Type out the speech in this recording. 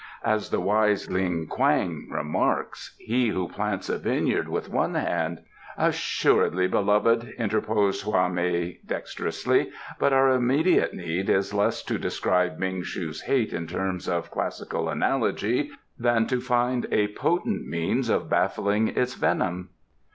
As the wise Ling kwang remarks: 'He who plants a vineyard with one hand '" "Assuredly, beloved," interposed Hwa mei dexterously. "But our immediate need is less to describe Ming shu's hate in terms of classical analogy than to find a potent means of baffling its venom."